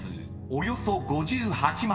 およそ５８万人］